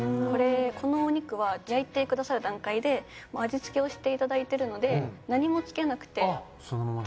このお肉は焼いてくださる段階で味付けをしていただいてるので。